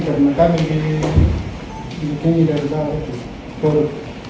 selamat datang di video ini